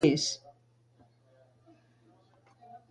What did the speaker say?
Els de Benaguasil, figuers.